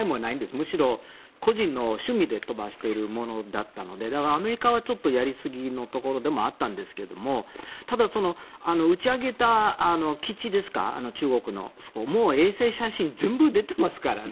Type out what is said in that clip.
むしろ、個人の趣味で飛ばしているものだったのでだから、アメリカはちょっとやりすぎのところでもあったんですがただ、打ち上げた基地ですか中国のもう衛星写真全部出ていますからね。